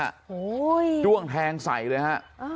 โหด้วงแทงใส่เลยฮะ